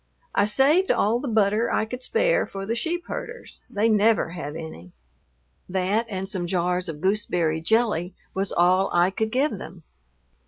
I saved all the butter I could spare for the sheep herders; they never have any. That and some jars of gooseberry jelly was all I could give them.